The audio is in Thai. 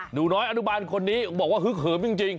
หนูน้อยอนุบาลคนนี้บอกว่าฮึกเหิมจริง